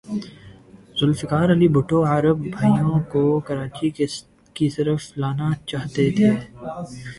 ذوالفقار علی بھٹو عرب بھائیوں کو کراچی کی طرف لانا چاہتے تھے۔